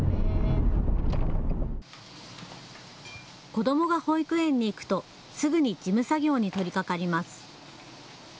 子どもが保育園に行くとすぐに事務作業に取りかかります。